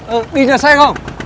ừ đi nhà xe không